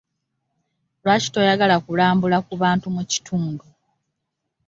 Lwaki toyagala kulambula ku bantu mu kitundu?